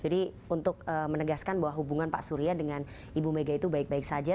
jadi untuk menegaskan bahwa hubungan pak surya dengan ibu mega itu baik baik saja